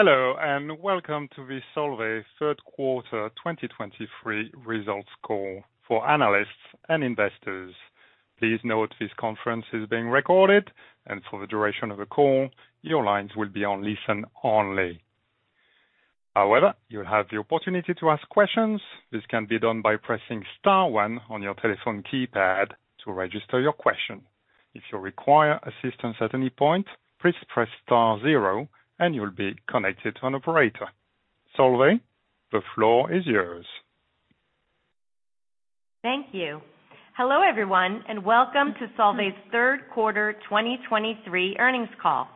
Hello, and welcome to the Solvay third quarter 2023 results call for analysts and investors. Please note this conference is being recorded, and for the duration of the call, your lines will be on listen only. However, you'll have the opportunity to ask questions. This can be done by pressing star one on your telephone keypad to register your question. If you require assistance at any point, please press star zero and you'll be connected to an operator. Jodi, the floor is yours. Thank you. Hello, everyone, and welcome to Solvay's third quarter 2023 earnings call.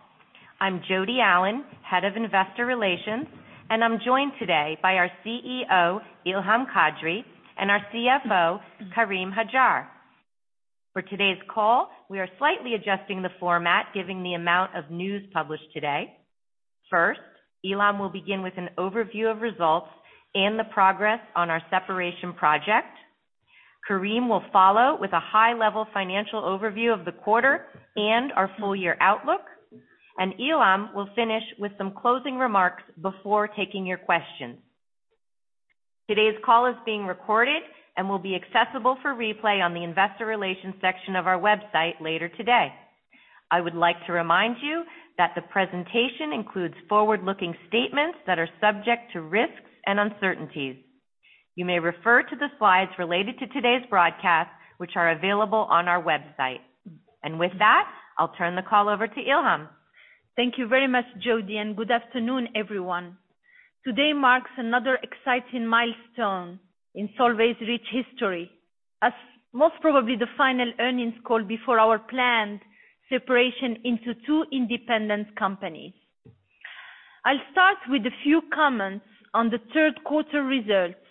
I'm Jodi Allen, Head of Investor Relations, and I'm joined today by our CEO, Ilham Kadri, and our CFO, Karim Hajjar. For today's call, we are slightly adjusting the format, given the amount of news published today. First, Ilham will begin with an overview of results and the progress on our separation project. Karim will follow with a high-level financial overview of the quarter and our full year outlook. Ilham will finish with some closing remarks before taking your questions. Today's call is being recorded and will be accessible for replay on the investor relations section of our website later today. I would like to remind you that the presentation includes forward-looking statements that are subject to risks and uncertainties. You may refer to the slides related to today's broadcast, which are available on our website. With that, I'll turn the call over to Ilham. Thank you very much, Jodi, and good afternoon, everyone. Today marks another exciting milestone in Solvay's rich history, as most probably the final earnings call before our planned separation into two independent companies. I'll start with a few comments on the third quarter results.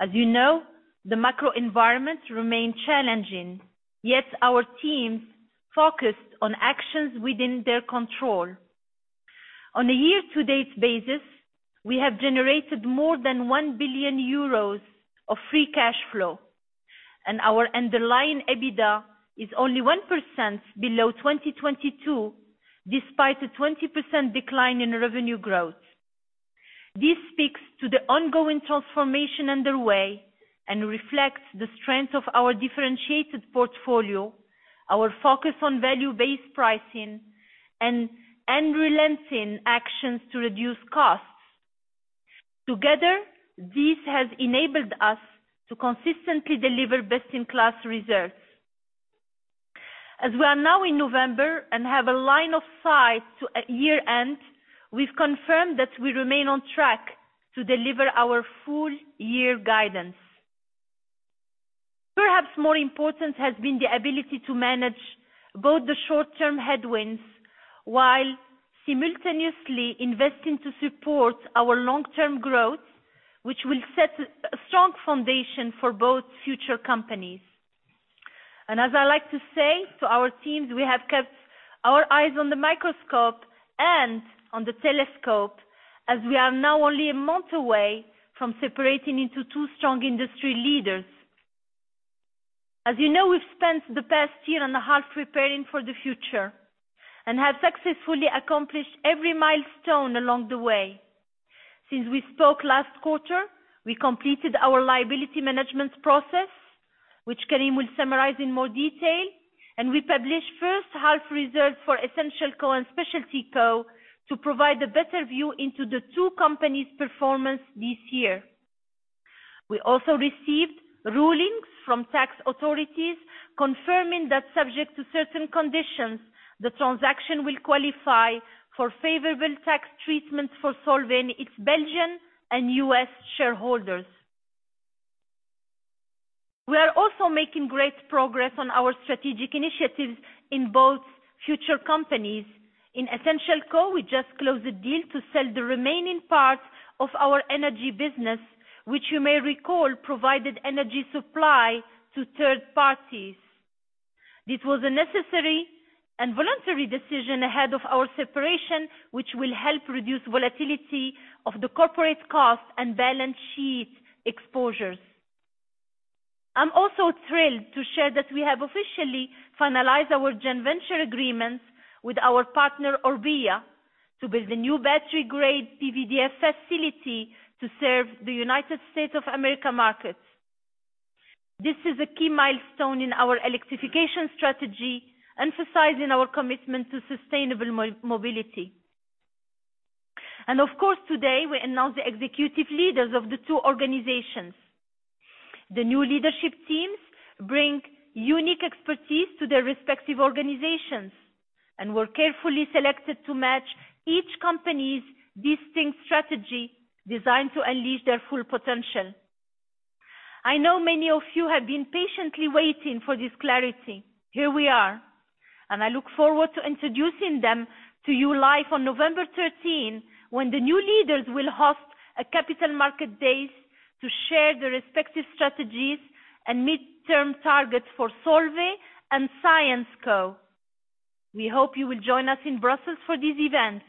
As you know, the macro environment remained challenging, yet our teams focused on actions within their control. On a year-to-date basis, we have generated more than 1 billion euros of free cash flow, and our underlying EBITDA is only 1% below 2022, despite a 20% decline in revenue growth. This speaks to the ongoing transformation underway and reflects the strength of our differentiated portfolio, our focus on value-based pricing and relentless actions to reduce costs. Together, this has enabled us to consistently deliver best-in-class results. As we are now in November and have a line of sight to year-end, we've confirmed that we remain on track to deliver our full year guidance. Perhaps more important has been the ability to manage both the short-term headwinds, while simultaneously investing to support our long-term growth, which will set a strong foundation for both future companies. And as I like to say to our teams, we have kept our eyes on the microscope and on the telescope, as we are now only a month away from separating into two strong industry leaders. As you know, we've spent the past year and a half preparing for the future and have successfully accomplished every milestone along the way. Since we spoke last quarter, we completed our liability management process, which Karim will summarize in more detail, and we published first half reserves for EssentialCo and SpecialtyCo to provide a better view into the two companies' performance this year. We also received rulings from tax authorities, confirming that subject to certain conditions, the transaction will qualify for favorable tax treatments for Solvay and its Belgian and U.S. shareholders. We are also making great progress on our strategic initiatives in both future companies. In EssentialCo, we just closed a deal to sell the remaining part of our energy business, which you may recall, provided energy supply to third parties. This was a necessary and voluntary decision ahead of our separation, which will help reduce volatility of the corporate cost and balance sheet exposures. I'm also thrilled to share that we have officially finalized our joint venture agreements with our partner, Orbia, to build a new battery-grade PVDF facility to serve the United States of America markets. This is a key milestone in our electrification strategy, emphasizing our commitment to sustainable mobility. And of course, today, we announce the executive leaders of the two organizations. The new leadership teams bring unique expertise to their respective organizations, and were carefully selected to match each company's distinct strategy, designed to unleash their full potential. I know many of you have been patiently waiting for this clarity. Here we are, and I look forward to introducing them to you live on November 13, when the new leaders will host a capital market days to share their respective strategies and midterm targets for Solvay and Syensqo. We hope you will join us in Brussels for these events.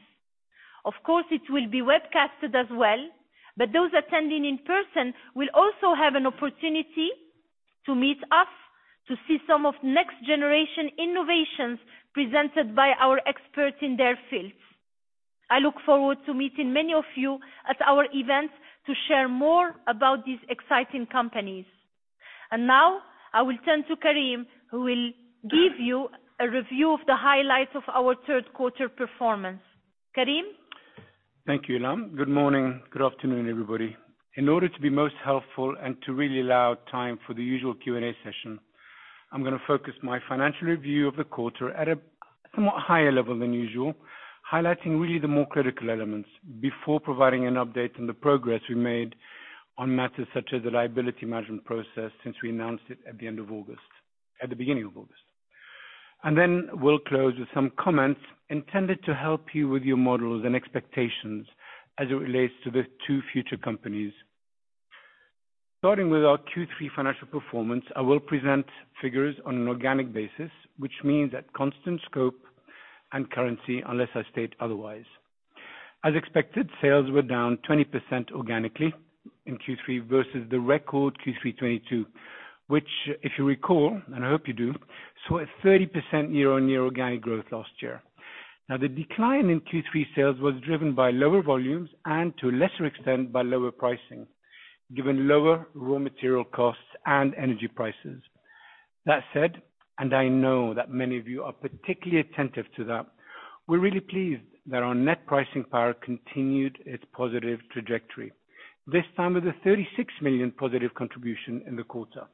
Of course, it will be webcasted as well, but those attending in person will also have an opportunity to meet us, to see some of next generation innovations presented by our experts in their fields. I look forward to meeting many of you at our event to share more about these exciting companies. Now I will turn to Karim, who will give you a review of the highlights of our third quarter performance. Karim? Thank you, Ilham. Good morning. Good afternoon, everybody. In order to be most helpful and to really allow time for the usual Q&A session, I'm gonna focus my financial review of the quarter at a somewhat higher level than usual, highlighting really the more critical elements before providing an update on the progress we made on matters such as the liability management process since we announced it at the end of August. At the beginning of August. And then we'll close with some comments intended to help you with your models and expectations as it relates to the two future companies. Starting with our Q3 financial performance, I will present figures on an organic basis, which means that constant scope and currency, unless I state otherwise. As expected, sales were down 20% organically in Q3 versus the record Q3 2022, which, if you recall, and I hope you do, saw a 30% year-on-year organic growth last year. Now, the decline in Q3 sales was driven by lower volumes and to a lesser extent, by lower pricing, given lower raw material costs and energy prices. That said, and I know that many of you are particularly attentive to that, we're really pleased that our net pricing power continued its positive trajectory, this time with a 36 million positive contribution in the quarter.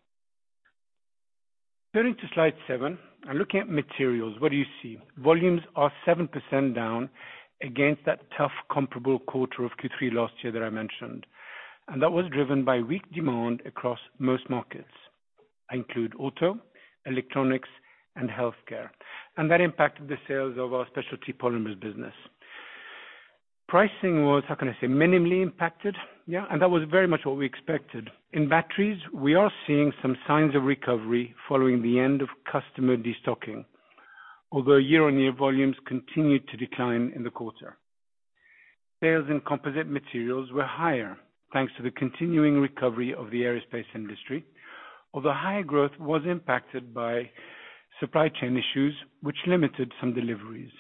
Turning to slide seven and looking at materials, what do you see? Volumes are 7% down against that tough comparable quarter of Q3 last year that I mentioned, and that was driven by weak demand across most markets. I include auto, electronics, and healthcare, and that impacted the sales of our Specialty Polymers business. Pricing was, how can I say, minimally impacted, yeah, and that was very much what we expected. In batteries, we are seeing some signs of recovery following the end of customer destocking, although year-on-year volumes continued to decline in the quarter. Sales and composite materials were higher, thanks to the continuing recovery of the aerospace industry, although higher growth was impacted by supply chain issues, which limited some deliveries.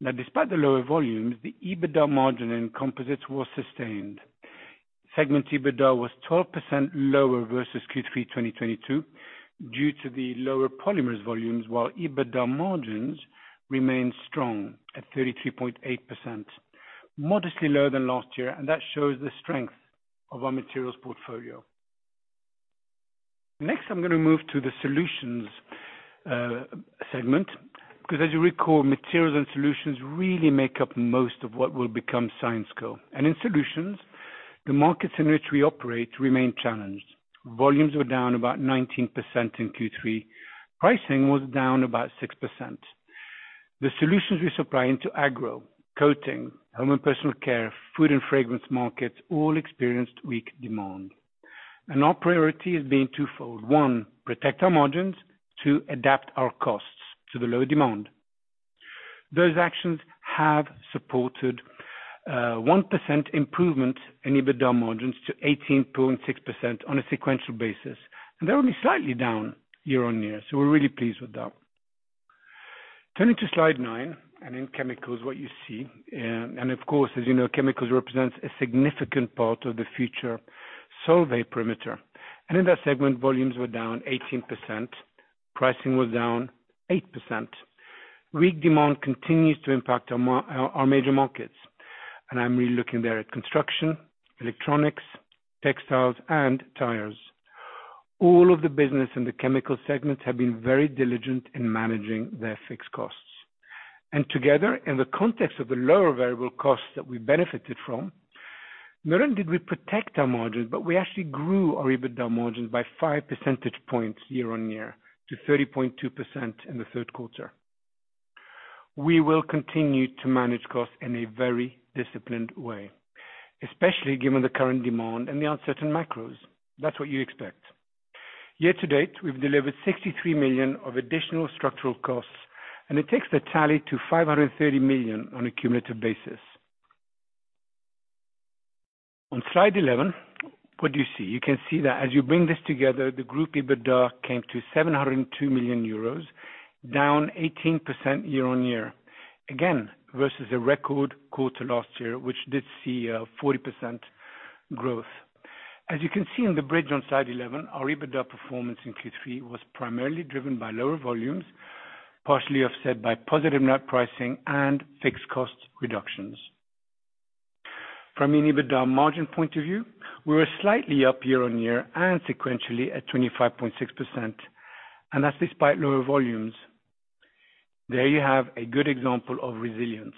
Now, despite the lower volumes, the EBITDA margin and composites were sustained. Segment EBITDA was 12% lower versus Q3 2022, due to the lower polymers volumes, while EBITDA margins remained strong at 33.8%, modestly lower than last year, and that shows the strength of our materials portfolio. Next, I'm gonna move to the solutions segment, because as you recall, materials and solutions really make up most of what will become Syensqo. And in solutions, the markets in which we operate remain challenged. Volumes were down about 19% in Q3. Pricing was down about 6%. The solutions we supply into agro, coating, home and personal care, food and fragrance markets all experienced weak demand, and our priority has been twofold: One, protect our margins. Two, adapt our costs to the lower demand. Those actions have supported 1% improvement in EBITDA margins to 18.6% on a sequential basis, and they're only slightly down year-on-year, so we're really pleased with that. Turning to slide nine, and in chemicals, what you see, and of course, as you know, chemicals represents a significant part of the future Solvay perimeter. In that segment, volumes were down 18%, pricing was down 8%. Weak demand continues to impact our major markets, and I'm really looking there at construction, electronics, textiles, and tires. All of the business in the chemical segment have been very diligent in managing their fixed costs. And together, in the context of the lower variable costs that we benefited from, not only did we protect our margins, but we actually grew our EBITDA margins by 5 percentage points year-on-year to 30.2% in the third quarter. We will continue to manage costs in a very disciplined way, especially given the current demand and the uncertain macros. That's what you expect. Year to date, we've delivered 63 million of additional structural costs, and it takes the tally to 530 million on a cumulative basis. On slide 11, what do you see? You can see that as you bring this together, the group EBITDA came to 702 million euros, down 18% year-on-year, again, versus a record quarter last year, which did see a 40% growth. As you can see in the bridge on slide 11, our EBITDA performance in Q3 was primarily driven by lower volumes, partially offset by positive net pricing and fixed cost reductions. From an EBITDA margin point of view, we were slightly up year-on-year and sequentially at 25.6%, and that's despite lower volumes. There you have a good example of resilience.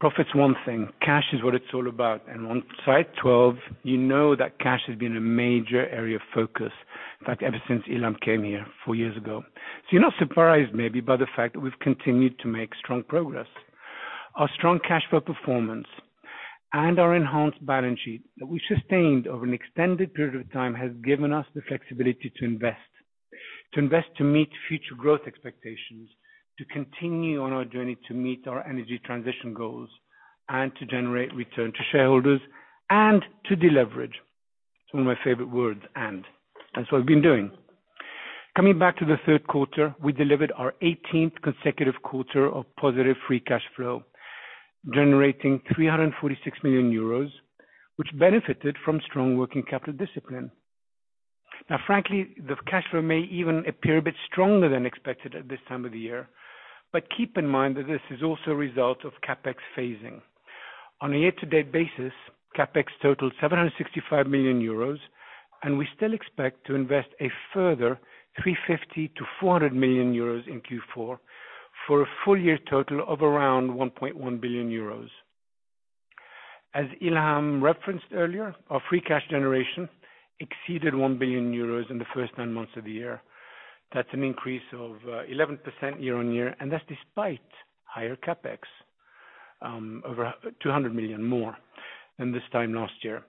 Profit's one thing. Cash is what it's all about, and on slide 12, you know that cash has been a major area of focus, in fact, ever since Ilham came here four years ago. So you're not surprised, maybe, by the fact that we've continued to make strong progress. Our strong cash flow performance and our enhanced balance sheet that we sustained over an extended period of time, has given us the flexibility to invest, to invest to meet future growth expectations, to continue on our journey to meet our energy transition goals, and to generate return to shareholders, and to deleverage. It's one of my favorite words, and, that's what we've been doing. Coming back to the third quarter, we delivered our eighteenth consecutive quarter of positive free cash flow, generating 346 million euros, which benefited from strong working capital discipline. Now, frankly, the cash flow may even appear a bit stronger than expected at this time of the year, but keep in mind that this is also a result of CapEx phasing. On a year-to-date basis, CapEx totaled 765 million euros, and we still expect to invest a further 350 million-400 million euros in Q4, for a full year total of around 1.1 billion euros. As Ilham referenced earlier, our free cash generation exceeded 1 billion euros in the first nine months of the year. That's an increase of 11% year-on-year, and that's despite higher CapEx over 200 million more than this time last year.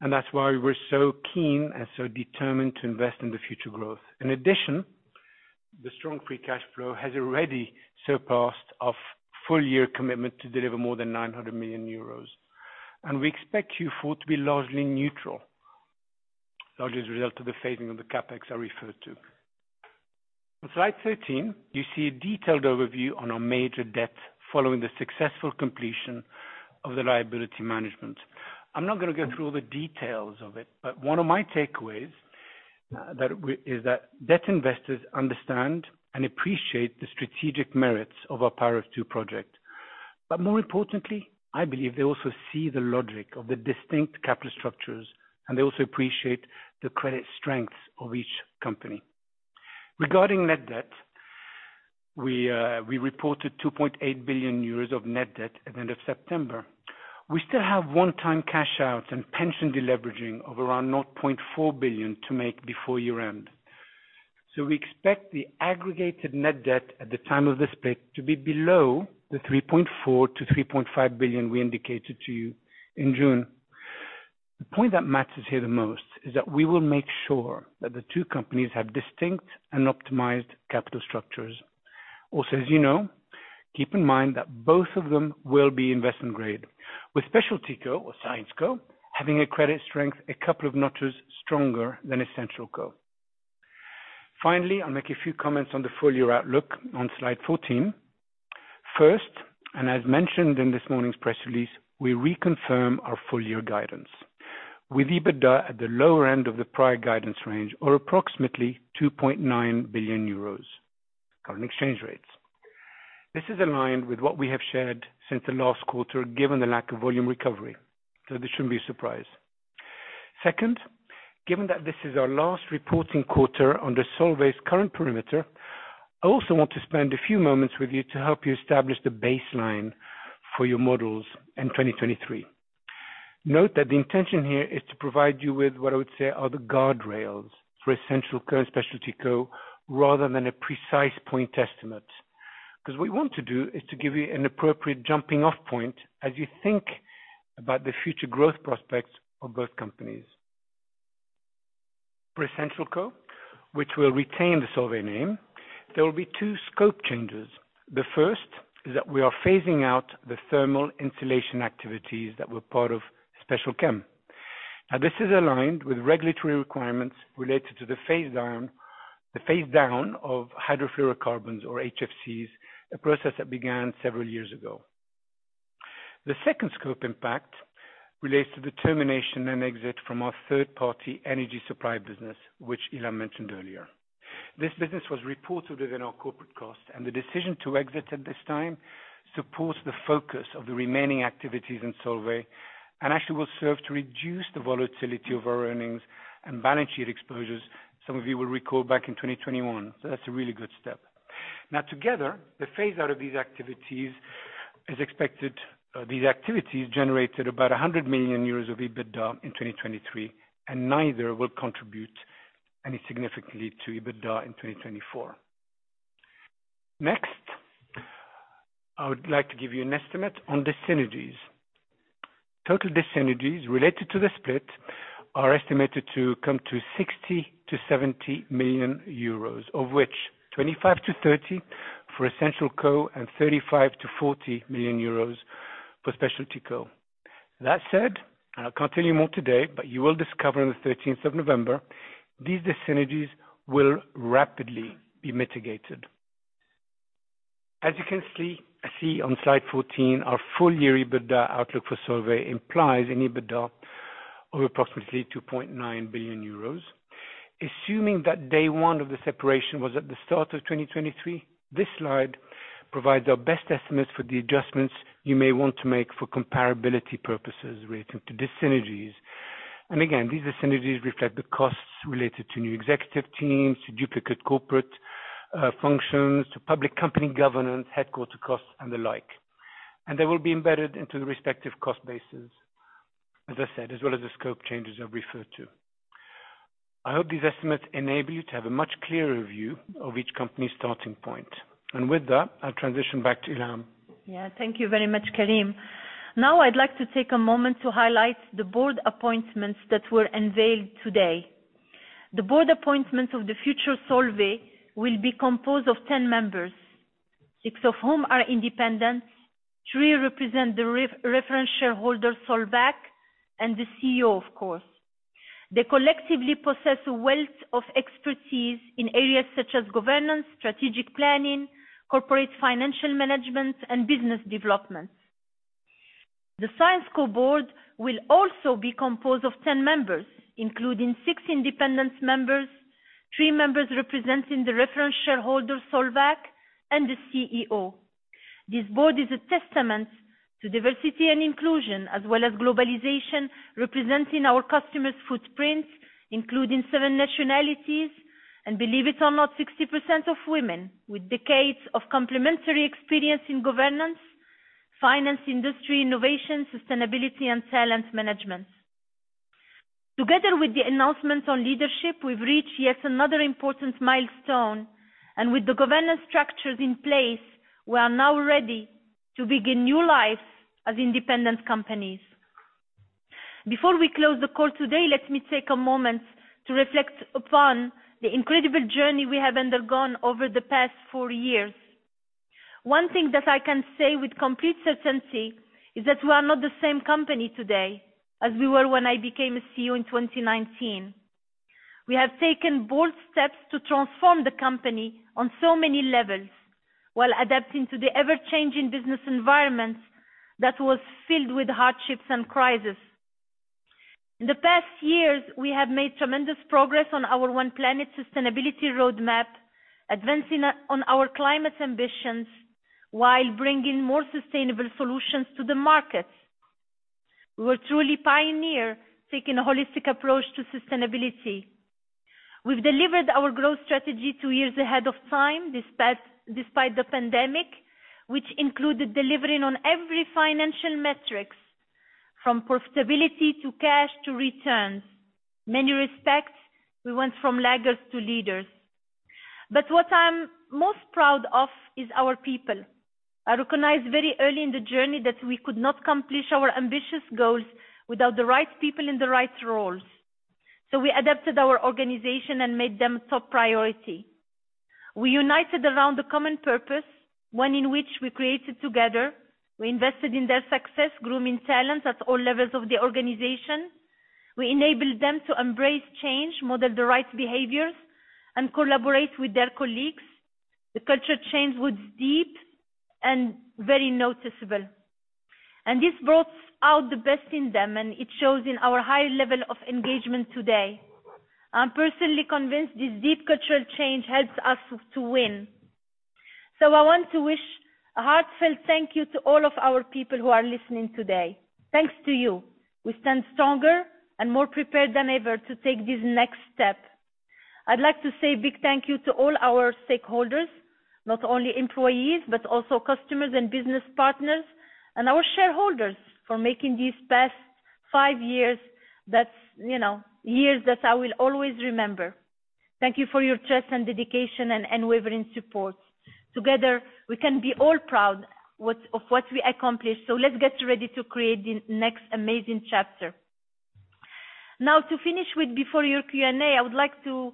And that's why we're so keen and so determined to invest in the future growth. In addition, the strong free cash flow has already surpassed our full-year commitment to deliver more than 900 million euros, and we expect Q4 to be largely neutral, largely as a result of the phasing of the CapEx I referred to. On slide 13, you see a detailed overview on our major debt following the successful completion of the liability management. I'm not gonna go through all the details of it, but one of my takeaways is that debt investors understand and appreciate the strategic merits of our Power of Two project. But more importantly, I believe they also see the logic of the distinct capital structures, and they also appreciate the credit strengths of each company. Regarding net debt, we reported 2.8 billion euros of net debt at the end of September. We still have one-time cash outs and pension deleveraging of around 0.4 billion to make before year-end. So we expect the aggregated net debt at the time of the split to be below the 3.4 billion-3.5 billion we indicated to you in June. The point that matters here the most is that we will make sure that the two companies have distinct and optimized capital structures. Also, as you know, keep in mind that both of them will be investment grade, with Specialty Co or Syensqo, having a credit strength, a couple of notches stronger than EssentialCo. Finally, I'll make a few comments on the full year outlook on slide 14. First, and as mentioned in this morning's press release, we reconfirm our full-year guidance, with EBITDA at the lower end of the prior guidance range or approximately 2.9 billion euros, current exchange rates. This is aligned with what we have shared since the last quarter, given the lack of volume recovery, so this shouldn't be a surprise. Second, given that this is our last reporting quarter under Solvay's current perimeter, I also want to spend a few moments with you to help you establish the baseline for your models in 2023. Note that the intention here is to provide you with what I would say are the guardrails for EssentialCo and Specialty Co, rather than a precise point estimate, because what we want to do is to give you an appropriate jumping off point as you think about the future growth prospects of both companies. For EssentialCo, which will retain the Solvay name, there will be two scope changes. The first is that we are phasing out the thermal insulation activities that were part of Special Chem. Now, this is aligned with regulatory requirements related to the phase down, the phase down of hydrofluorocarbons or HFCs, a process that began several years ago. The second scope impact relates to the termination and exit from our third-party energy supply business, which Ilham mentioned earlier. This business was reported within our corporate cost, and the decision to exit at this time supports the focus of the remaining activities in Solvay and actually will serve to reduce the volatility of our earnings and balance sheet exposures, some of you will recall back in 2021, so that's a really good step. Now, together, the phase out of these activities as expected, these activities generated about 100 million euros of EBITDA in 2023, and neither will contribute any significantly to EBITDA in 2024. Next, I would like to give you an estimate on dyssynergies. Total dyssynergies related to the split are estimated to come to 60 million-70 million euros, of which 25-30 for EssentialCo. And 35-40 million euros for Specialty Co. That said, and I can't tell you more today, but you will discover on the thirteenth of November, these dyssynergies will rapidly be mitigated. As you can see on slide 14, our full-year EBITDA outlook for Solvay implies an EBITDA of approximately 2.9 billion euros. Assuming that day one of the separation was at the start of 2023, this slide provides our best estimates for the adjustments you may want to make for comparability purposes related to dyssynergies. And again, these dyssynergies reflect the costs related to new executive teams, to duplicate corporate functions, to public company governance, headquarter costs, and the like. And they will be embedded into the respective cost bases, as I said, as well as the scope changes I've referred to. I hope these estimates enable you to have a much clearer view of each company's starting point. With that, I'll transition back to Ilham. Yeah. Thank you very much, Karim... Now I'd like to take a moment to highlight the board appointments that were unveiled today. The board appointments of the future Solvay will be composed of 10 members, six of whom are independent, three represent the reference shareholder, Solvac, and the CEO, of course. They collectively possess a wealth of expertise in areas such as governance, strategic planning, corporate financial management, and business development. The ScienceCo board will also be composed of 10 members, including six independent members, three members representing the reference shareholder, Solvac, and the CEO. This board is a testament to diversity and inclusion, as well as globalization, representing our customers' footprints, including seven nationalities, and believe it or not, 60% of women with decades of complementary experience in governance, finance, industry, innovation, sustainability, and talent management. Together with the announcements on leadership, we've reached yet another important milestone, and with the governance structures in place, we are now ready to begin new life as independent companies. Before we close the call today, let me take a moment to reflect upon the incredible journey we have undergone over the past four years. One thing that I can say with complete certainty is that we are not the same company today as we were when I became a CEO in 2019. We have taken bold steps to transform the company on so many levels, while adapting to the ever-changing business environment that was filled with hardships and crisis. In the past years, we have made tremendous progress on our One Planet sustainability roadmap, advancing on our climate ambitions while bringing more sustainable solutions to the market. We were truly pioneer, taking a holistic approach to sustainability. We've delivered our growth strategy two years ahead of time, despite the pandemic, which included delivering on every financial metrics, from profitability to cash to returns. In many respects, we went from laggards to leaders. But what I'm most proud of is our people. I recognized very early in the journey that we could not accomplish our ambitious goals without the right people in the right roles. So we adapted our organization and made them top priority. We united around a common purpose, one in which we created together. We invested in their success, grooming talents at all levels of the organization. We enabled them to embrace change, model the right behaviors, and collaborate with their colleagues. The culture change was deep and very noticeable, and this brought out the best in them, and it shows in our high level of engagement today. I'm personally convinced this deep cultural change helps us to win. So I want to wish a heartfelt thank you to all of our people who are listening today. Thanks to you, we stand stronger and more prepared than ever to take this next step. I'd like to say a big thank you to all our stakeholders, not only employees, but also customers and business partners and our shareholders for making these past five years that's, you know, years that I will always remember. Thank you for your trust and dedication and unwavering support. Together, we can be all proud of what we accomplished, so let's get ready to create the next amazing chapter. Now, to finish with before your Q&A, I would like to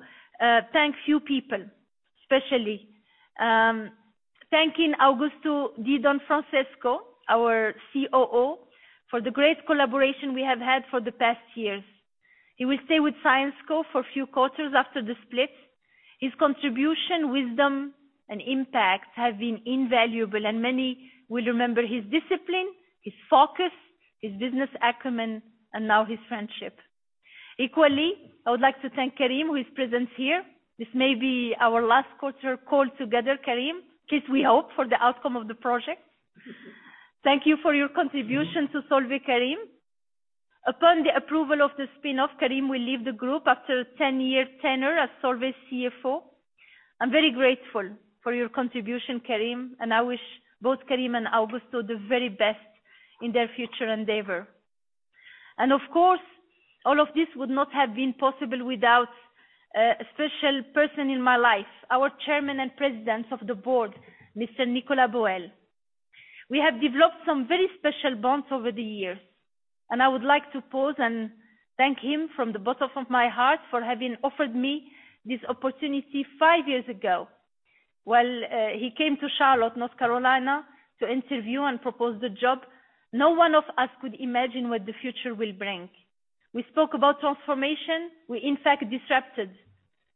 thank few people, especially, thanking Augusto Di Donfrancesco, our COO, for the great collaboration we have had for the past years. He will stay with ScienceCo for a few quarters after the split. His contribution, wisdom, and impact have been invaluable, and many will remember his discipline, his focus, his business acumen, and now his friendship. Equally, I would like to thank Karim, who is present here. This may be our last quarter call together, Karim, at least we hope for the outcome of the project. Thank you for your contribution to Solvay, Karim. Upon the approval of the spin-off, Karim will leave the group after a ten-year tenure as Solvay's CFO. I'm very grateful for your contribution, Karim, and I wish both Karim and Augusto the very best in their future endeavor. And of course, all of this would not have been possible without a special person in my life, our chairman and president of the board, Mr. Nicolas Boël. We have developed some very special bonds over the years, and I would like to pause and thank him from the bottom of my heart for having offered me this opportunity five years ago. Well, he came to Charlotte, North Carolina, to interview and propose the job. No one of us could imagine what the future will bring. We spoke about transformation. We, in fact, disrupted.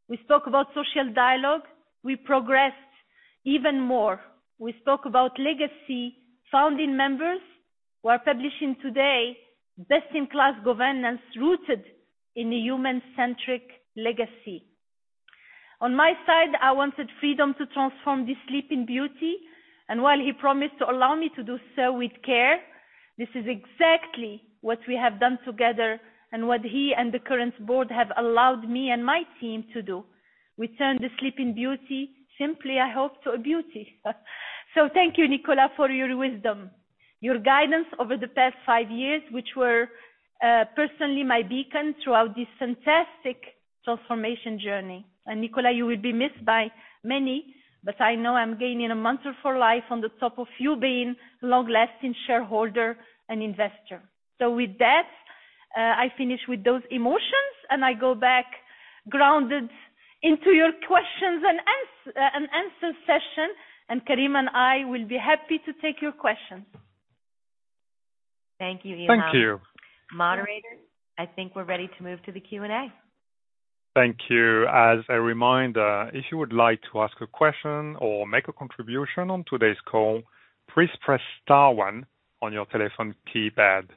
We spoke about social dialogue. We progressed even more. We spoke about legacy, founding members. We are publishing today, best-in-class governance, rooted in a human-centric legacy. On my side, I wanted freedom to transform this sleeping beauty, and while he promised to allow me to do so with care, this is exactly what we have done together and what he and the current board have allowed me and my team to do. We turned the sleeping beauty, simply, I hope, to a beauty. So thank you, Nicolas, for your wisdom, your guidance over the past five years, which were personally my beacon throughout this fantastic transformation journey. And Nicolas, you will be missed by many, but I know I'm gaining a mentor for life on the top of you being long-lasting shareholder and investor. So with that, I finish with those emotions, and I go back grounded into your questions and answer session, and Karim and I will be happy to take your questions. Thank you, Imad. Thank you. Moderator, I think we're ready to move to the Q&A. Thank you. As a reminder, if you would like to ask a question or make a contribution on today's call, please press star one on your telephone keypad.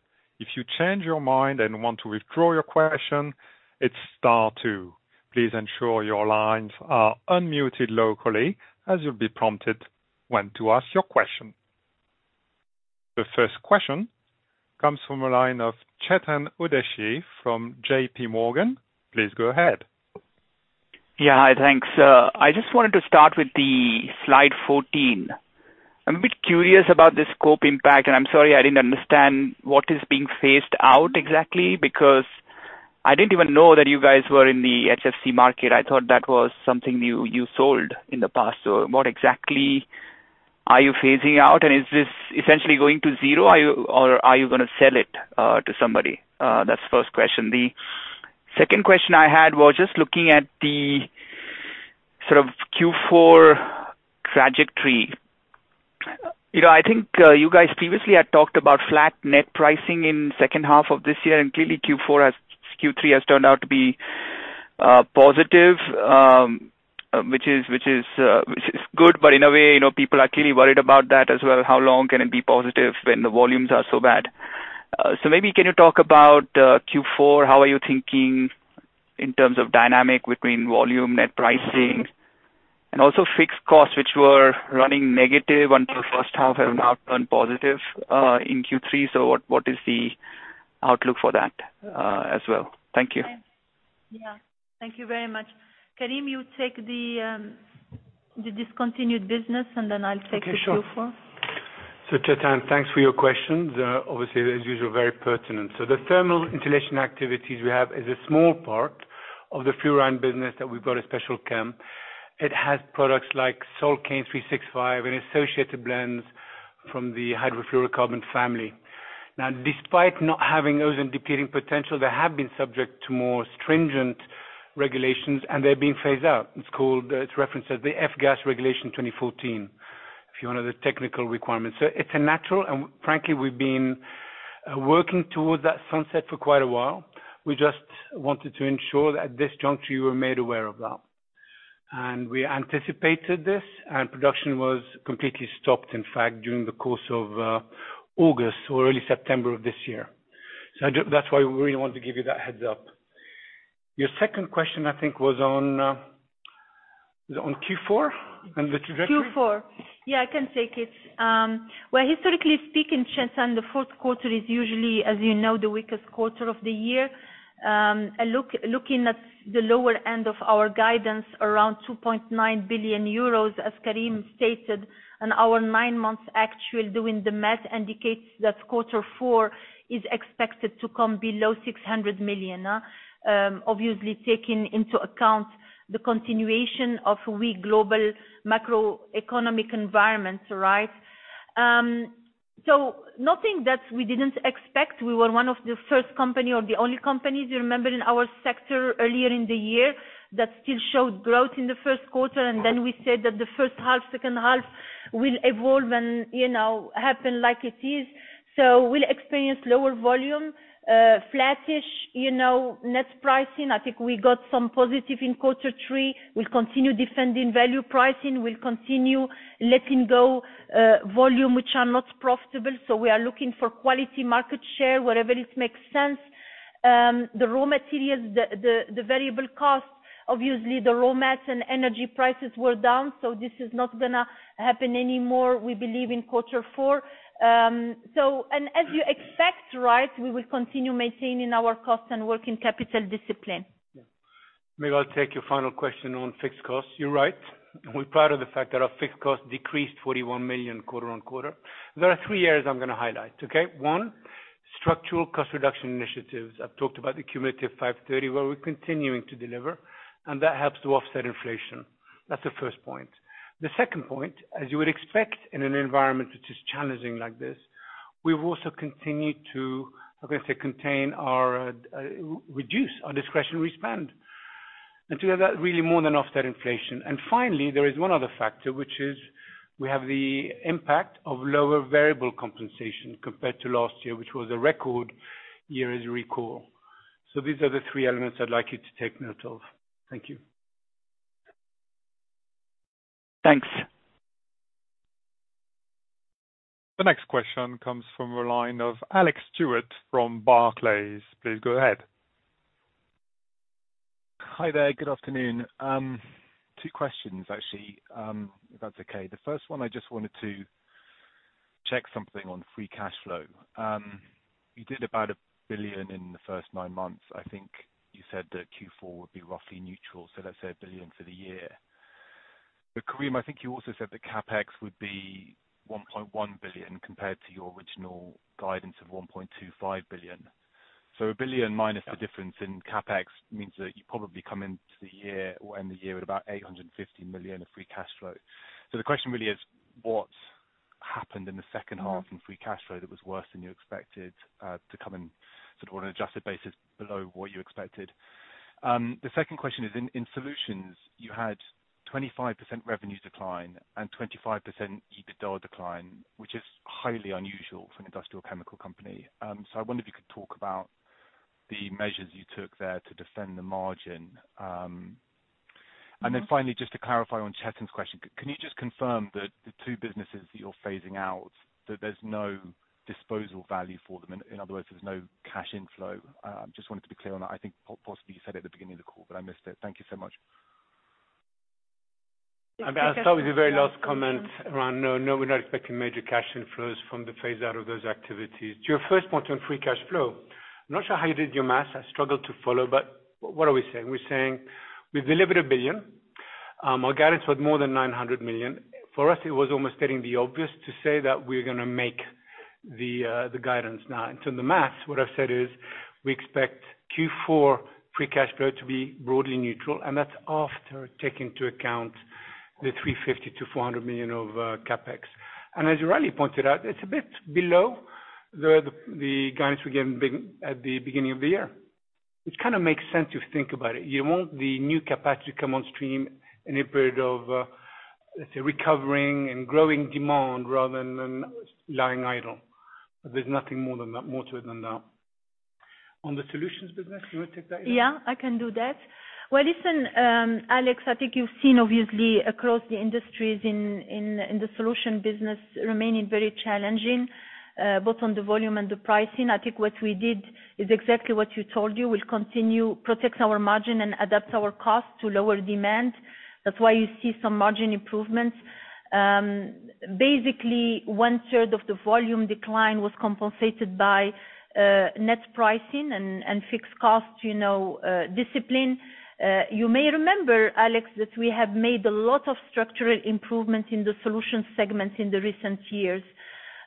If you change your mind and want to withdraw your question, it's star two. Please ensure your lines are unmuted locally, as you'll be prompted when to ask your question. The first question comes from a line of Chetan Udeshi from JP Morgan. Please go ahead. Yeah. Hi, thanks. I just wanted to start with the slide 14. I'm a bit curious about the scope impact, and I'm sorry, I didn't understand what is being phased out exactly, because I didn't even know that you guys were in the HFC market. I thought that was something you, you sold in the past. So what exactly are you phasing out, and is this essentially going to zero, or are you gonna sell it to somebody? That's the first question. The second question I had was just looking at the sort of Q4 trajectory. You know, I think, you guys previously had talked about flat net pricing in second half of this year, and clearly Q4 has— Q3 has turned out to be, positive, which is good, but in a way, you know, people are clearly worried about that as well. How long can it be positive when the volumes are so bad? So maybe can you talk about, Q4? How are you thinking in terms of dynamic between volume, net pricing, and also fixed costs, which were running negative until first half, have now turned positive, in Q3, so what is the outlook for that, as well? Thank you. Yeah. Thank you very much. Karim, you take the, the discontinued business, and then I'll take the Q4. Okay, sure. So Chetan, thanks for your questions. Obviously, as usual, very pertinent. So the thermal insulation activities we have is a small part of the fluorine business that we've got a special chem. It has products like Solkane 365 and associated blends from the hydrofluorocarbon family. Now, despite not having those and depleting potential, they have been subject to more stringent regulations, and they're being phased out. It's called, it's referenced as the F-gas Regulation 2014, if you want the technical requirements. So it's a natural, and frankly, we've been working towards that sunset for quite a while. We just wanted to ensure that at this juncture, you were made aware of that. And we anticipated this, and production was completely stopped, in fact, during the course of August or early September of this year. That's why we really wanted to give you that heads-up. Your second question, I think, was on Q4 and the trajectory? Q4. Yeah, I can take it. Well, historically speaking, Chetan, the fourth quarter is usually, as you know, the weakest quarter of the year. And look, looking at the lower end of our guidance, around 2.9 billion euros, as Karim stated, and our nine months actual doing the math indicates that quarter four is expected to come below 600 million, obviously taking into account the continuation of weak global macroeconomic environment, right? So nothing that we didn't expect. We were one of the first company or the only companies, you remember, in our sector earlier in the year, that still showed growth in the first quarter, and then we said that the first half, second half will evolve and, you know, happen like it is. So we'll experience lower volume, flattish, you know, net pricing. I think we got some positive in quarter three. We'll continue defending value pricing. We'll continue letting go volume which are not profitable, so we are looking for quality market share wherever it makes sense. The raw materials, the variable costs, obviously the raw mats and energy prices were down, so this is not gonna happen anymore, we believe in quarter four. So and as you expect, right, we will continue maintaining our cost and working capital discipline. Yeah. Maybe I'll take your final question on fixed costs. You're right. We're proud of the fact that our fixed costs decreased 41 million quarter on quarter. There are three areas I'm gonna highlight, okay? One, structural cost reduction initiatives. I've talked about the cumulative 530 million, where we're continuing to deliver, and that helps to offset inflation. That's the first point. The second point, as you would expect in an environment which is challenging like this, we've also continued to, I'm going to say, contain our, reduce our discretionary spend. And to have that really more than offset inflation. And finally, there is one other factor, which is we have the impact of lower variable compensation compared to last year, which was a record year, as you recall. So these are the three elements I'd like you to take note of. Thank you. Thanks. The next question comes from the line of Alex Stewart from Barclays. Please go ahead. Hi there, good afternoon. Two questions, actually, if that's okay. The first one, I just wanted to check something on free cash flow. You did about 1 billion in the first 9 months. I think you said that Q4 would be roughly neutral, so let's say 1 billion for the year. But Karim, I think you also said the CapEx would be 1.1 billion, compared to your original guidance of 1.25 billion. So 1 billion minus the difference in CapEx means that you probably come into the year or end the year at about 850 million of free cash flow. So the question really is, what happened in the second half in free cash flow that was worse than you expected, to come in, sort of on an adjusted basis below what you expected? The second question is, in solutions, you had 25% revenue decline and 25% EBITDA decline, which is highly unusual for an industrial chemical company. So I wonder if you could talk about the measures you took there to defend the margin. And then finally, just to clarify on Chetan's question, can you just confirm that the two businesses that you're phasing out, that there's no disposal value for them, in other words, there's no cash inflow? Just wanted to be clear on that. I think possibly you said at the beginning of the call, but I missed it. Thank you so much. I'll start with the very last comment around, no, no, we're not expecting major cash inflows from the phase out of those activities. To your first point on free cash flow, I'm not sure how you did your math. I struggled to follow, but what are we saying? We're saying, we've delivered 1 billion. Our guidance was more than 900 million. For us, it was almost stating the obvious, to say that we're gonna make the guidance now. And so the math, what I've said is, we expect Q4 free cash flow to be broadly neutral, and that's after taking into account the 350 million-400 million of CapEx. And as rightly pointed out, it's a bit below the guidance we gave in big at the beginning of the year. Which kind of makes sense, if you think about it. You want the new capacity to come on stream in a period of, let's say, recovering and growing demand rather than lying idle. There's nothing more than that, more to it than that. On the solutions business, you wanna take that? Yeah, I can do that. Well, listen, Alex, I think you've seen obviously across the industries in the solution business remaining very challenging, both on the volume and the pricing. I think what we did is exactly what you told you. We'll continue, protect our margin and adapt our cost to lower demand. That's why you see some margin improvements. Basically, one third of the volume decline was compensated by net pricing and fixed cost, you know, discipline. You may remember, Alex, that we have made a lot of structural improvements in the solution segment in the recent years.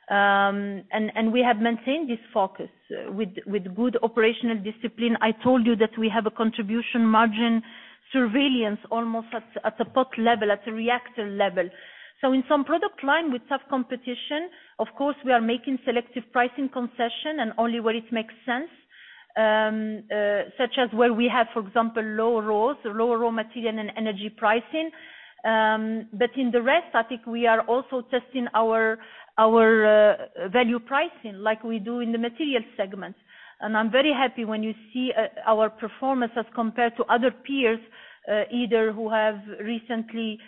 And we have maintained this focus, with good operational discipline. I told you that we have a contribution margin surveillance almost at a pot level, at a reactor level. So in some product line with tough competition, of course, we are making selective pricing concession and only where it makes sense, such as where we have, for example, low raws, low raw material and energy pricing. But in the rest, I think we are also testing our value pricing, like we do in the material segments. And I'm very happy when you see our performance as compared to other peers, either who have recently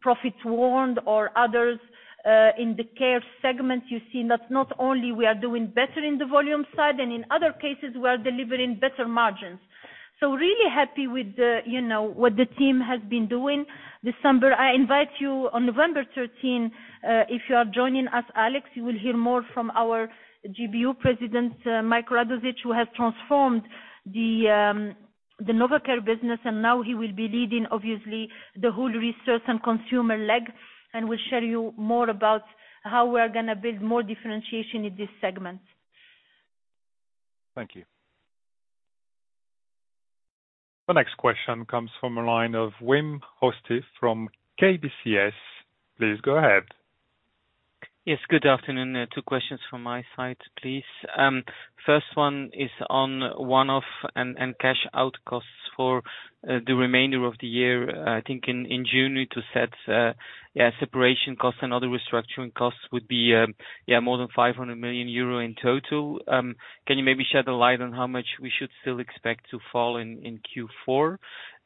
profit warned or others. In the care segment, you've seen that not only we are doing better in the volume side, and in other cases, we are delivering better margins. So really happy with the, you know, what the team has been doing this summer. I invite you on November thirteen, if you are joining us, Alex, you will hear more from our GBU president, Mike Radossich, who has transformed the Novecare business, and now he will be leading, obviously, the whole research and consumer leg, and will share you more about how we're gonna build more differentiation in this segment. Thank you. The next question comes from a line of Wim Hoste from KBCS. Please go ahead. Yes, good afternoon. 2 questions from my side, please. First one is on one-off and cash out costs for the remainder of the year. I think in June, you two said, yeah, separation costs and other restructuring costs would be, yeah, more than 500 million euro in total. Can you maybe shed a light on how much we should still expect to fall in Q4?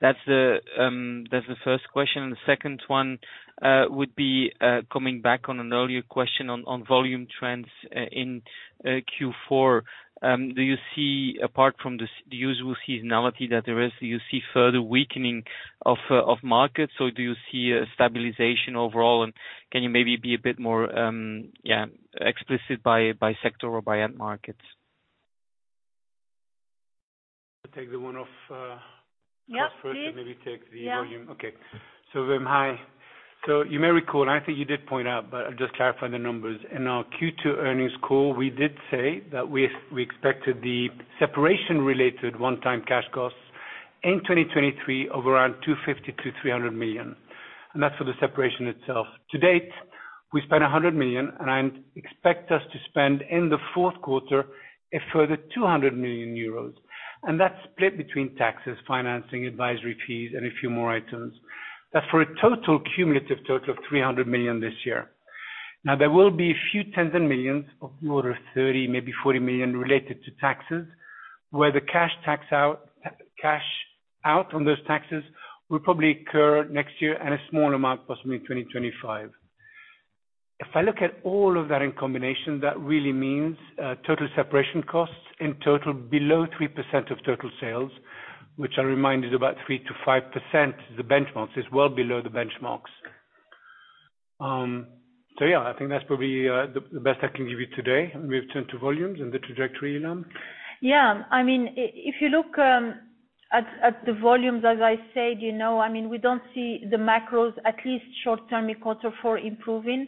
That's the first question. And the second one would be coming back on an earlier question on volume trends in Q4. Do you see, apart from the usual seasonality that there is, do you see further weakening of markets, or do you see a stabilization overall, and can you maybe be a bit more explicit by sector or by end markets? Take the one-off, Yeah, please First, and maybe take the volume. Yeah. Okay. So Wim, hi. So you may recall, I think you did point out, but I'll just clarify the numbers. In our Q2 earnings call, we did say that we expected the separation-related one-time cash costs in 2023, of around 250-300 million, and that's for the separation itself. To date, we spent 100 million, and I expect us to spend in the fourth quarter, a further 200 million euros. And that's split between taxes, financing, advisory fees, and a few more items. That's for a total, cumulative total, of 300 million this year. Now, there will be a few tens of millions, of the order of 30 million, maybe 40 million related to taxes, where the cash tax outflow on those taxes, will probably occur next year, and a small amount possibly in 2025. If I look at all of that in combination, that really means, total separation costs, in total below 3% of total sales, which I remind you is about 3%-5%, the benchmarks. It's well below the benchmarks. So yeah, I think that's probably, the best I can give you today, and we've turned to volumes and the trajectory now. Yeah. I mean, if you look at the volumes, as I said, you know, I mean, we don't see the macros, at least short term, in quarter four improving.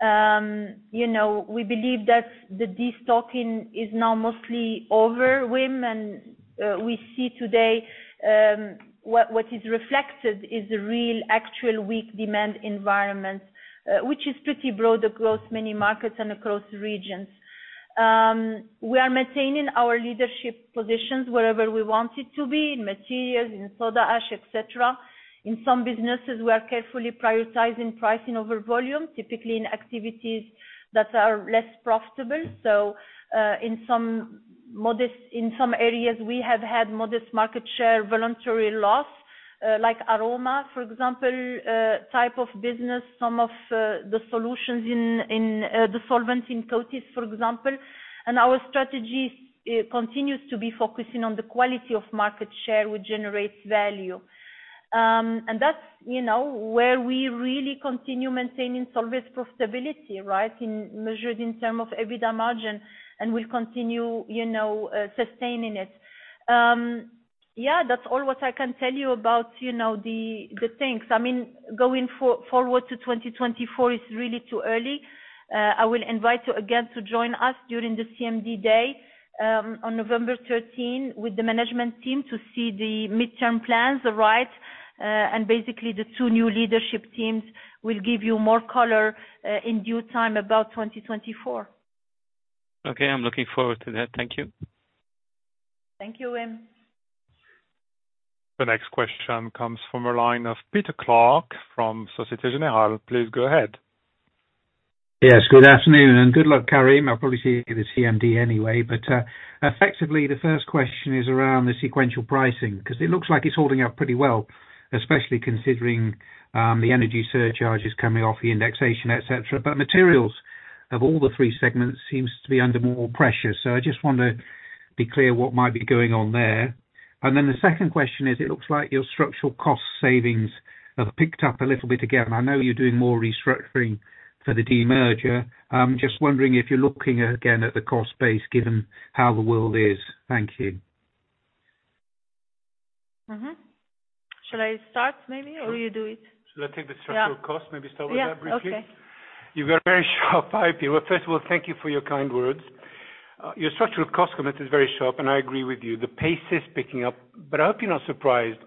You know, we believe that the destocking is now mostly over, Wim, and we see today, what is reflected is a real actual weak demand environment, which is pretty broad across many markets and across regions. We are maintaining our leadership positions wherever we want it to be, in materials, in soda ash, et cetera. In some businesses, we are carefully prioritizing pricing over volume, typically in activities that are less profitable. So, in some areas, we have had modest market share, voluntary loss, like Aroma, for example, type of business. Some of the solutions in the Solvay Process, for example, and our strategy continues to be focusing on the quality of market share, which generates value. That's, you know, where we really continue maintaining Solvay's profitability, right? It's measured in terms of EBITDA margin, and we'll continue, you know, sustaining it. Yeah, that's all what I can tell you about, you know, the things. I mean, going forward to 2024 is really too early. I will invite you again to join us during the CMD day on November 13, with the management team to see the midterm plans, right? Basically, the two new leadership teams will give you more color in due time about 2024. Okay, I'm looking forward to that. Thank you. Thank you, Wim. The next question comes from the line of Peter Clark, from Société Générale. Please go ahead. Yes, good afternoon, and good luck, Karim. I'll probably see you at the CMD anyway. But effectively, the first question is around the sequential pricing, 'cause it looks like it's holding up pretty well, especially considering the energy surcharges coming off the indexation, et cetera. But materials, of all the three segments, seems to be under more pressure, so I just want to be clear what might be going on there. And then the second question is, it looks like your structural cost savings have picked up a little bit again. I know you're doing more restructuring for the de-merger. I'm just wondering if you're looking again at the cost base, given how the world is. Thank you. Should I start, maybe, or will you do it? Should I take the structural cost, maybe start with that briefly? Yeah. Okay. You are very sharp. Well, first of all, thank you for your kind words. Your structural cost comment is very sharp, and I agree with you. The pace is picking up, but I hope you're not surprised.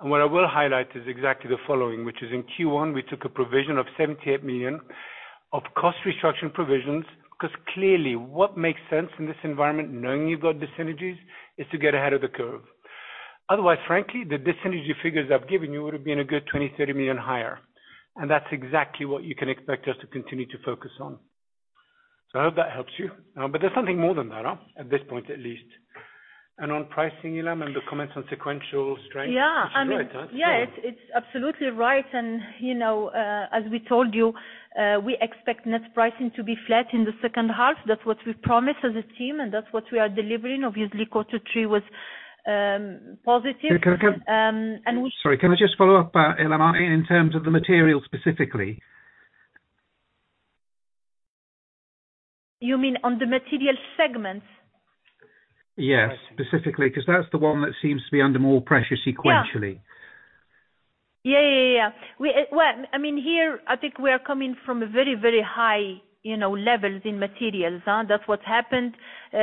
And what I will highlight is exactly the following, which is in Q1, we took a provision of 78 million of cost reduction provisions, 'cause clearly, what makes sense in this environment, knowing you've got dyssynergies, is to get ahead of the curve. Otherwise, frankly, the dyssynergy figures I've given you would've been a good 20-30 million higher, and that's exactly what you can expect us to continue to focus on. So I hope that helps you. But there's something more than that, at this point, at least. And on pricing, Ilham, and the comments on sequential strength? Yeah. It's right, huh? Yeah, it's absolutely right. And, you know, as we told you, we expect net pricing to be flat in the second half. That's what we've promised as a team, and that's what we are delivering. Obviously, quarter three was positive- Sorry, can I just follow up, Ilham, in terms of the material specifically? You mean on the material segments? Yes, specifically, 'cause that's the one that seems to be under more pressure sequentially. Yeah. Yeah, yeah, yeah. We, well, I mean, here, I think we are coming from a very, very high, you know, levels in materials, that's what happened.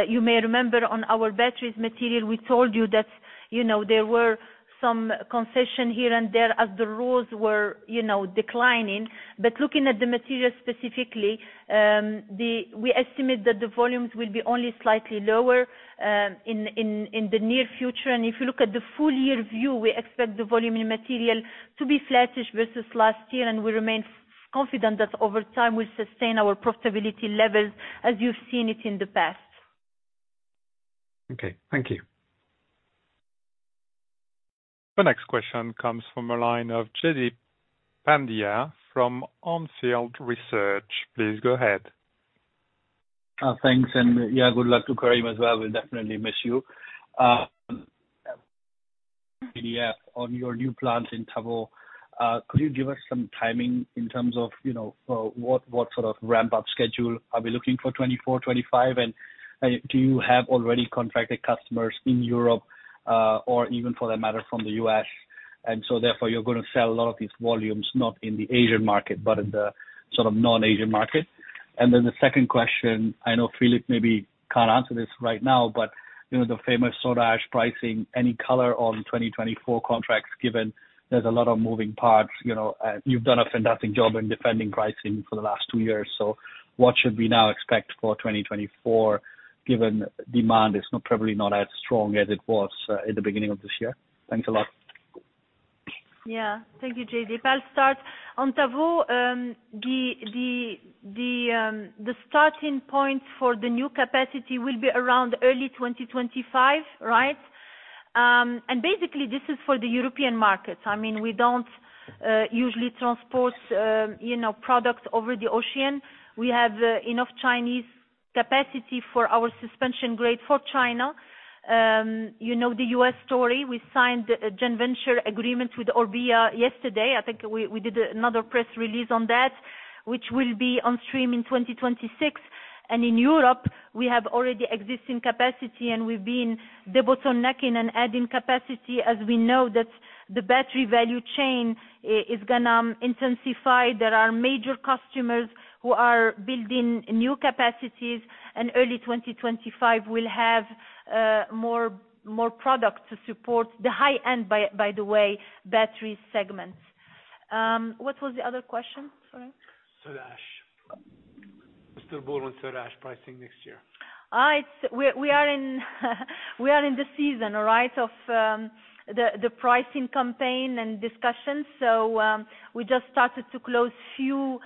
You may remember on our batteries material, we told you that, you know, there were some concession here and there as the rules were, you know, declining. But looking at the materials specifically, we estimate that the volumes will be only slightly lower, in the near future. And if you look at the full year view, we expect the volume in material to be flattish versus last year, and we remain confident that over time we sustain our profitability levels as you've seen it in the past. Okay. Thank you. The next question comes from the line of Jaideep Pandya from Onfield Research. Please go ahead. Thanks, and yeah, good luck to Karim as well. We'll definitely miss you. PVDF on your new plant in Tavaux. Could you give us some timing in terms of, you know, what, what sort of ramp-up schedule? Are we looking for 2024, 2025? And, do you have already contracted customers in Europe, or even for that matter, from the U.S., and so therefore you're gonna sell a lot of these volumes, not in the Asian market, but in the sort of non-Asian market? And then the second question, I know Philippe maybe can't answer this right now, but you know, the famous soda ash pricing, any color on 2024 contracts, given there's a lot of moving parts, you know, you've done a fantastic job in defending pricing for the last two years. What should we now expect for 2024, given demand is not, probably, not as strong as it was in the beginning of this year? Thanks a lot. Yeah, thank you, Jaideep. I'll start. On Tavaux, the starting point for the new capacity will be around early 2025, right? And basically, this is for the European markets. I mean, we don't usually transport, you know, products over the ocean. We have enough Chinese capacity for our suspension grade for China, you know, the U.S. story, we signed a joint venture agreement with Orbia yesterday. I think we did another press release on that, which will be on stream in 2026. And in Europe, we have already existing capacity, and we've been debottlenecking and adding capacity, as we know that the battery value chain is gonna intensify. There are major customers who are building new capacities, and early 2025 will have, more, more product to support the high end, by, by the way, battery segments. What was the other question, sorry? soda ash. Still more on soda ash pricing next year. All right. We are in the season, right, of the pricing campaign and discussions. So, we just started to close few,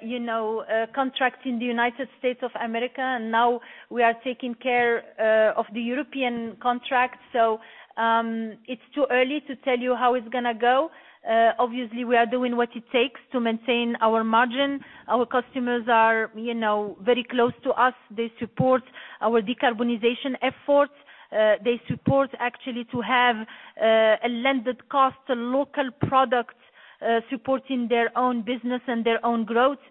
you know, contracts in the United States of America, and now we are taking care of the European contracts. So, it's too early to tell you how it's gonna go. Obviously, we are doing what it takes to maintain our margin. Our customers are, you know, very close to us. They support our decarbonization efforts. They support actually to have a landed cost, a local product, supporting their own business and their own growth.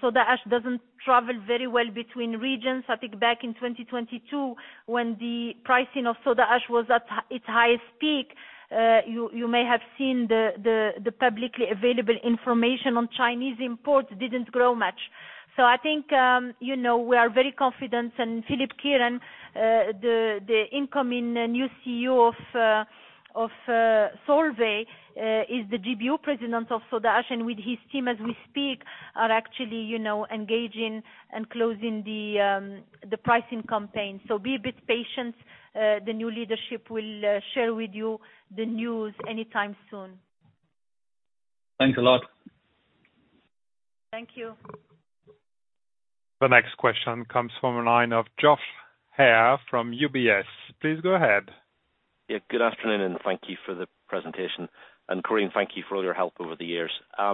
soda ash doesn't travel very well between regions. I think back in 2022, when the pricing of soda ash was at its highest peak, you may have seen the publicly available information on Chinese imports didn't grow much. So I think, you know, we are very confident, and Philippe Kehren, the incoming new CEO of Solvay, is the GBU president of soda ash, and with his team, as we speak, are actually, you know, engaging and closing the pricing campaign. So be a bit patient. The new leadership will share with you the news anytime soon. Thanks a lot. Thank you. The next question comes from a line of Josh Mayberry from UBS. Please go ahead. Yeah, good afternoon, and thank you for the presentation. And Karim, thank you for all your help over the years. I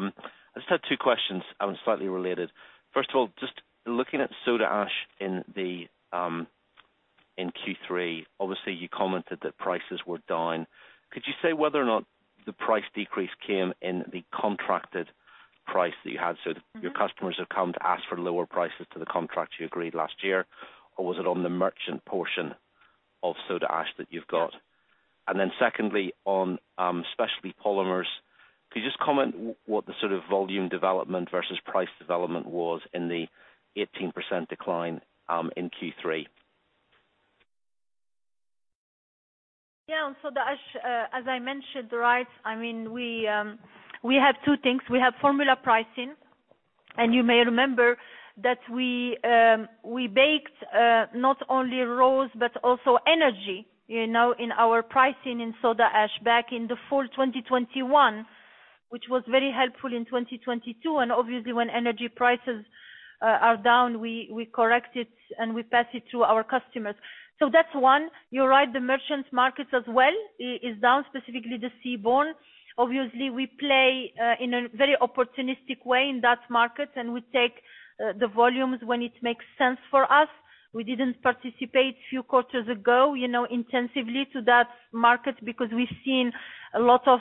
just had two questions, slightly related. First of all, just looking at soda ash in Q3, obviously, you commented that prices were down. Could you say whether or not the price decrease came in the contracted price that you had? So your customers have come to ask for lower prices to the contract you agreed last year, or was it on the merchant portion of soda ash that you've got? And then secondly, on Specialty Polymers, could you just comment what the sort of volume development versus price development was in the 18% decline in Q3? Yeah, on soda ash, as I mentioned, right, I mean, we, we have two things. We have formula pricing, and you may remember that we, we baked, not only raws, but also energy, you know, in our pricing in soda ash back in the fall 2021, which was very helpful in 2022, and obviously when energy prices, are down, we, we correct it, and we pass it to our customers. So that's one. You're right, the merchant market as well is down, specifically the seaborne. Obviously, we play, in a very opportunistic way in that market, and we take, the volumes when it makes sense for us. We didn't participate few quarters ago, you know, intensively to that market because we've seen a lot of,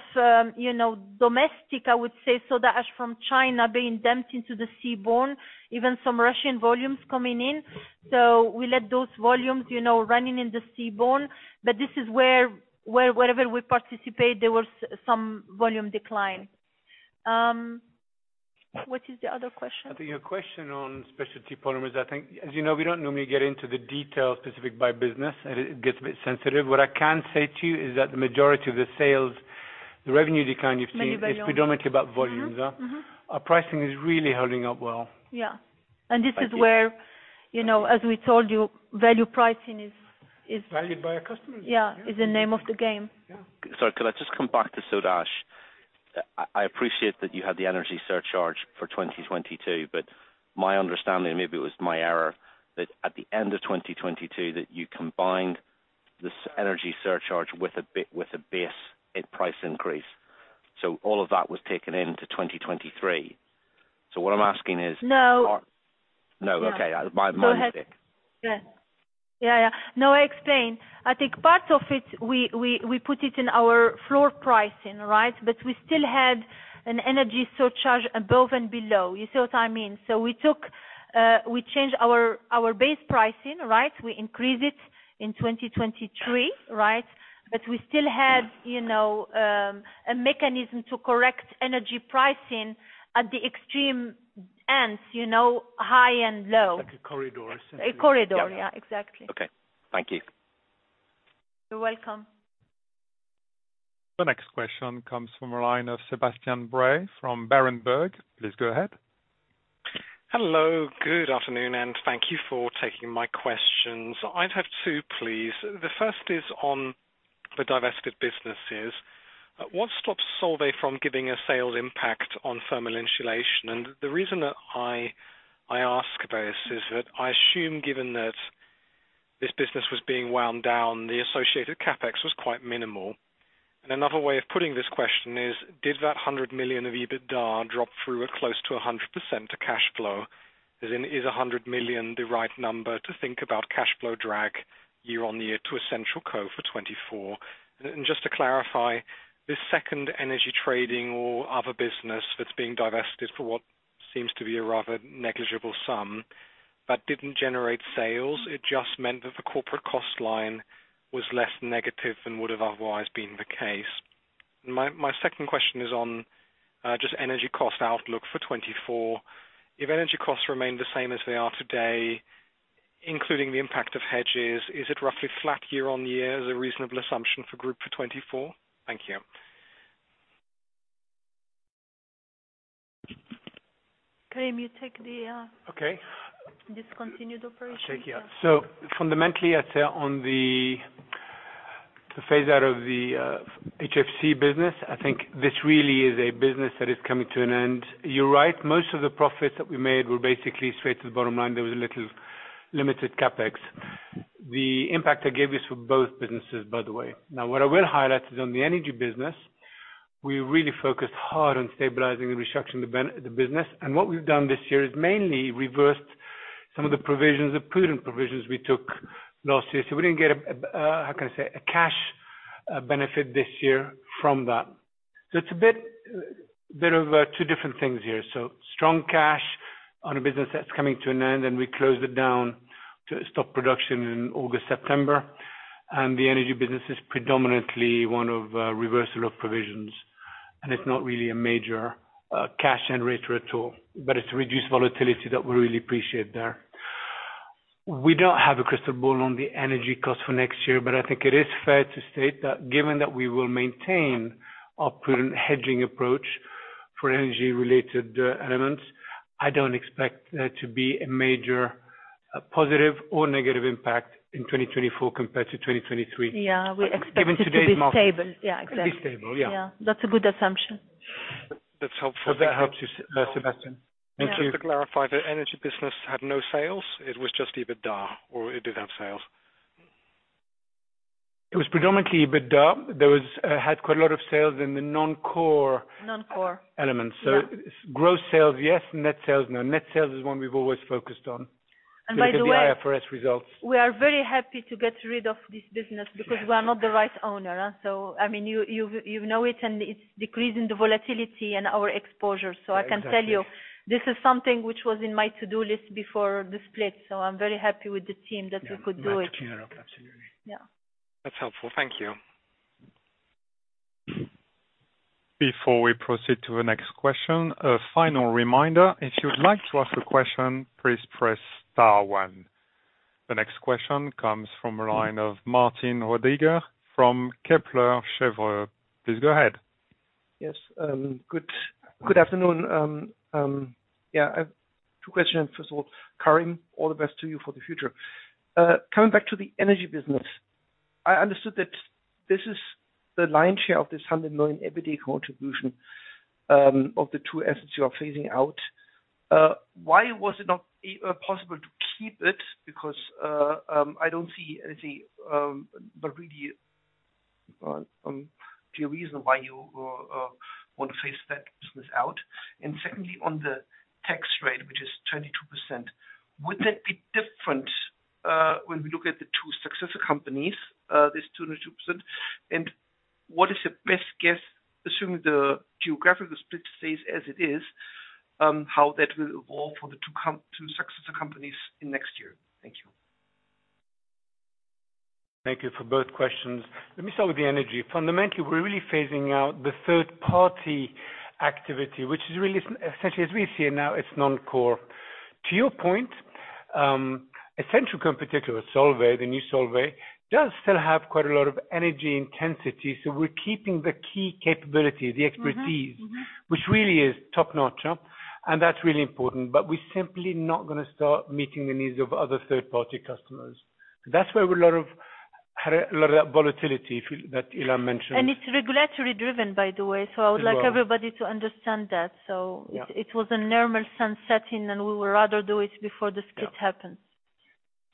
you know, domestic, I would say, soda ash from China being dumped into the seaborne, even some Russian volumes coming in. So we let those volumes, you know, running in the seaborne, but this is where wherever we participate, there was some volume decline. What is the other question? I think your question on specialty polymers, I think, as you know, we don't normally get into the detail specific by business, and it gets a bit sensitive. What I can say to you is that the majority of the sales, the revenue decline you've seen is predominantly about volumes. Our pricing is really holding up well. Yeah. Thank you. This is where, you know, as we told you, value pricing is- Valued by our customers. Yeah. Yeah. Is the name of the game. Yeah. Sorry, could I just come back to soda ash? I appreciate that you had the energy surcharge for 2022, but my understanding, and maybe it was my error, that at the end of 2022, that you combined this energy surcharge with a base and price increase. So all of that was taken into 2023. So what I'm asking is- No. No, okay, my, my mistake. Go ahead. Yeah. Yeah, yeah. No, I explain. I think part of it, we put it in our floor pricing, right? But we still had an energy surcharge above and below. You see what I mean? So we took, we changed our base pricing, right? We increased it in 2023, right? But we still had, you know, a mechanism to correct energy pricing at the extreme ends, you know, high and low. Like a corridor. A corridor, yeah, exactly. Okay. Thank you. You're welcome. The next question comes from a line of Sebastian Bray from Berenberg. Please go ahead. Hello, good afternoon, and thank you for taking my questions. I'd have two, please. The first is on the divested businesses. What stops Solvay from giving a sales impact on thermal insulation? And the reason that I, I ask this is that I assume, given that this business was being wound down, the associated CapEx was quite minimal... And another way of putting this question is: Did that 100 million of EBITDA drop through at close to a hundred percent to cash flow? As in, is a 100 million the right number to think about cash flow drag year-on-year to EssentialCo for 2024? Just to clarify, this second energy trading or other business that's being divested for what seems to be a rather negligible sum, that didn't generate sales, it just meant that the corporate cost line was less negative than would have otherwise been the case. My second question is on just energy cost outlook for 2024. If energy costs remain the same as they are today, including the impact of hedges, is it roughly flat year-on-year as a reasonable assumption for group for 2024? Thank you. Karim, you take the, Okay. Discontinued operation. I'll take, yeah. So fundamentally, I'd say on the phase out of the HFC business, I think this really is a business that is coming to an end. You're right, most of the profits that we made were basically straight to the bottom line. There was a little limited CapEx. The impact I gave you is for both businesses, by the way. Now, what I will highlight is on the energy business, we really focused hard on stabilizing and restructuring the business. And what we've done this year is mainly reversed some of the provisions, the prudent provisions we took last year. So we didn't get a how can I say, a cash benefit this year from that. So it's a bit of two different things here. So strong cash on a business that's coming to an end, and we closed it down to stop production in August, September. The energy business is predominantly one of reversal of provisions, and it's not really a major cash generator at all, but it's reduced volatility that we really appreciate there. We don't have a crystal ball on the energy cost for next year, but I think it is fair to state that given that we will maintain our prudent hedging approach for energy-related elements, I don't expect there to be a major positive or negative impact in 2024 compared to 2023. Yeah, we expect it to be stable. Given today's market. Yeah, exactly. Be stable, yeah. Yeah. That's a good assumption. That's helpful. Hope that helps you, Sebastian. Thank you. Just to clarify, the energy business had no sales? It was just EBITDA, or it did have sales. It was predominantly EBITDA. There was, had quite a lot of sales in the non-core elements. Yeah. Gross sales, yes, net sales, no. Net sales is one we've always focused on. And by the way- The IFRS results. We are very happy to get rid of this business because we are not the right owner, so I mean, you know it, and it's decreasing the volatility and our exposure. Yeah, exactly. I can tell you, this is something which was in my to-do list before the split, so I'm very happy with the team that we could do it. Yeah, glad to clean it up. Absolutely. Yeah. That's helpful. Thank you. Before we proceed to the next question, a final reminder. If you'd like to ask a question, please press star one. The next question comes from the line of Martin Roediger from Kepler Cheuvreux. Please go ahead. Yes. Good afternoon. Yeah, I've two questions. First of all, Karim, all the best to you for the future. Coming back to the energy business, I understood that this is the lion's share of this 100 million EBITDA contribution of the two assets you are phasing out. Why was it not possible to keep it? Because I don't see anything but really clear reason why you want to phase that business out. And secondly, on the tax rate, which is 22%, would that be different when we look at the two successor companies, this 22%? And what is the best guess, assuming the geographical split stays as it is, how that will evolve for the two successor companies in next year? Thank you. Thank you for both questions. Let me start with the energy. Fundamentally, we're really phasing out the third-party activity, which is really, essentially, as we see it now, it's non-core. To your point, essential competitor, Solvay, the new Solvay, does still have quite a lot of energy intensity, so we're keeping the key capability, the expertise which really is top-notch, and that's really important. But we're simply not gonna start meeting the needs of other third-party customers. That's where a lot of that volatility that Ilham mentioned. It's regulatory driven, by the way so I would like everybody to understand that. Yeah. It was a normal sunsetting, and we would rather do it before this happened.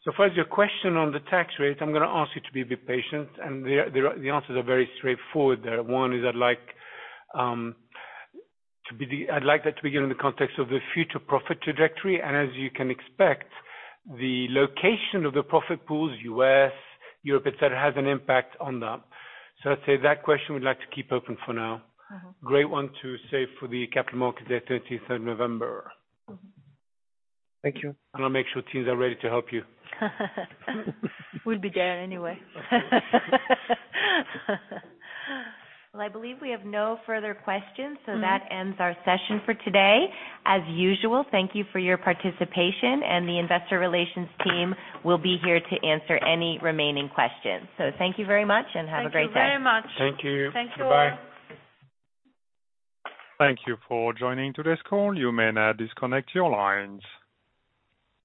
So as far as your question on the tax rate, I'm gonna ask you to be a bit patient, and the answers are very straightforward there. One is I'd like that to be given in the context of the future profit trajectory, and as you can expect, the location of the profit pools, U.S., Europe, et cetera, has an impact on that. So I'd say that question we'd like to keep open for now. Great one to save for the Capital Markets Day, 13 November. Thank you. I'll make sure teams are ready to help you. We'll be there anyway. Well, I believe we have no further questions. That ends our session for today. As usual, thank you for your participation, and the investor relations team will be here to answer any remaining questions. Thank you very much, and have a great day. Thank you very much. Thank you. Thank you. Bye-bye. Thank you for joining today's call. You may now disconnect your lines.